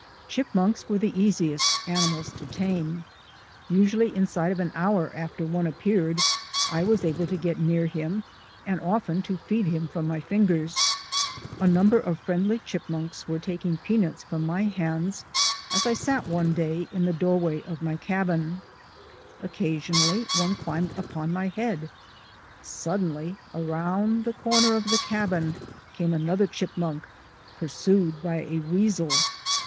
Chipmunks were the easiest animals to tame. Usually inside of an hour after one appeared I was able to get near him and often to feed him from my fingers. A number of friendly chipmunks were taking peanuts from my hand as I sat one day in the door way of my cabin. Occasionally one climbed upon my head. Suddenly around the corner of the cabin came another chipmunk pursued by a weasel.